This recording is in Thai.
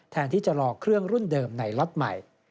แทนที่จะรอเครื่องรุ่นเดิมในล็อตใหม่